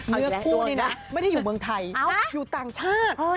เนื้อคู่นี่นะไม่ได้อยู่เมืองไทยอยู่ต่างชาติ